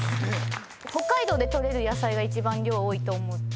北海道で取れる野菜が一番量多いと思ってて。